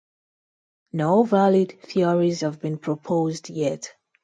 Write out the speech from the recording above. No valid theories have been proposed yet.